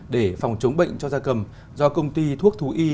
để phòng chống bệnh cho gia cầm do công ty thuốc thú y